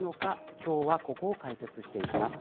今日はここを解説していきます。